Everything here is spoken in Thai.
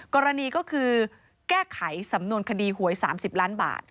กรณีก็คือแก้ไขสำนวนคดีหวย๓๐ล้านบาท